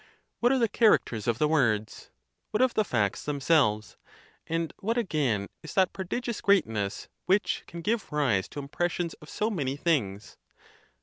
What are the characters of the words, what of the facts themselves? and what, again, is that prodigious greatness which can give rise to impressions of so many things?